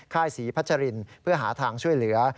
ค่ายศรีพัชรินเพื่อหาทางช่วยเหลือ